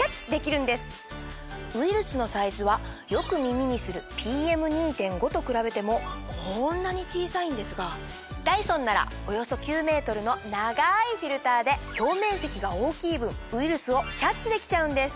ウイルスのサイズはよく耳にするＰＭ２．５と比べてもこんなに小さいんですがダイソンならおよそ９ｍの長いフィルターで表面積が大きい分ウイルスをキャッチできちゃうんです。